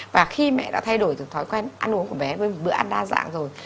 và khi mẹ đã thay đổi thói quen ăn uống của bé với bữa ăn đa dạng rồi